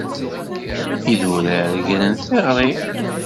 Idurar gren tiγri.